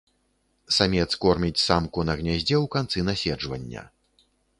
Самец корміць самку на гняздзе ў канцы наседжвання.